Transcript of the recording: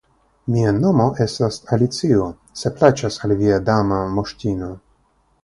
Mia nomo estas Alicio, se plaĉas al via Dama Moŝtino.